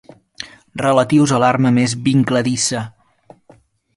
Relatius a l'arma més vincladissa.